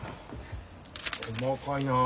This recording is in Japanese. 細かいなあ。